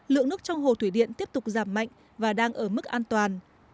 lượng nước trong hồ thủy điện tiếp tục giảm mạnh và đang ở mức an toàn